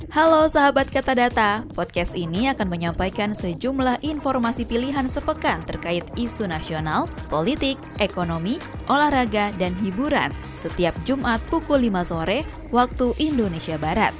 halo sahabat kata podcast ini akan menyampaikan sejumlah informasi pilihan sepekan terkait isu nasional politik ekonomi olahraga dan hiburan setiap jumat pukul lima sore waktu indonesia barat